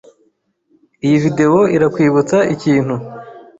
Iyi video irakwibutsa ikintu?